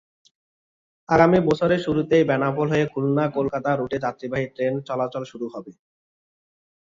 আগামী বছরের শুরুতেই বেনাপোল হয়ে খুলনা-কলকাতা রুটে যাত্রীবাহী ট্রেন চলাচল শুরু হবে।